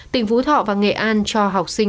tỉnh phú thọ và nghệ an cho học sinh